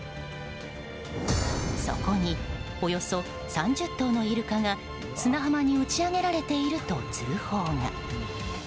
そこに、およそ３０頭のイルカが砂浜に打ち上げられていると通報が。